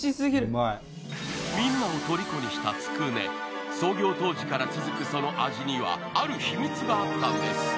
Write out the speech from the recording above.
うまいみんなをとりこにしたつくね創業当時から続くその味にはある秘密があったんです